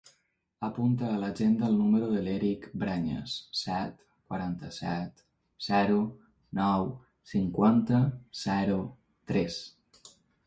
Apunta a l'agenda el número de l'Erick Brañas: set, quaranta-set, zero, nou, cinquanta, zero, tres.